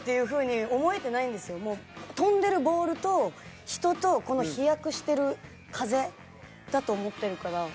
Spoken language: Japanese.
もう飛んでるボールと人とこの飛躍してる風だと思ってるから。